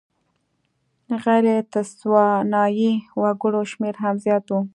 غیر تسوانایي وګړو شمېر هم زیات و.